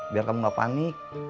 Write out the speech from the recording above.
biar kamu gak panik